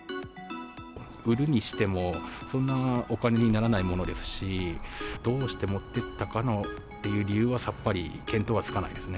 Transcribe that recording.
売るにしても、そんなにお金にならないものですし、どうして持っていったかという理由はさっぱり見当はつかないですね。